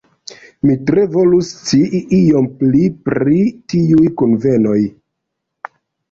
Mi tre volus scii iom pli pri tiuj kunvenoj.